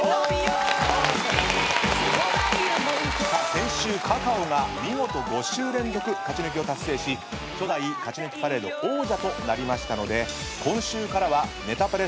先週ｃａｃａｏが見事５週連続勝ち抜きを達成し初代勝ち抜きパレード王者となりましたので今週からは『ネタパレ』